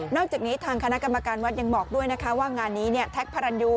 อกจากนี้ทางคณะกรรมการวัดยังบอกด้วยนะคะว่างานนี้แท็กพารันยู